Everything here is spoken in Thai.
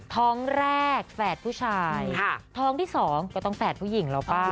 ท้องแรกแฝดผู้ชายท้องที่สองก็ต้องแฝดผู้หญิงแล้วป่ะ